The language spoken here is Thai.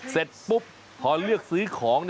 เสร็จปุ๊บพอเลือกซื้อของ